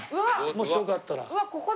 もしよかったら。